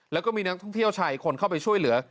แล้วก็มีนักท่องเที่ยวชายอีกคนเข้าไปช่วยเหลือ